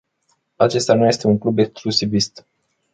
Acesta nu este un club exclusivist.